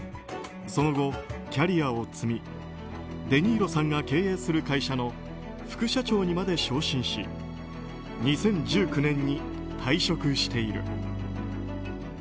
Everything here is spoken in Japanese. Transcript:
その後、キャリアを積みデ・ニーロさんが経営する会社の副社長にまで昇進し２０１９年に退職している。